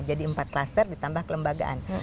jadi empat klaster ditambah kelembagaan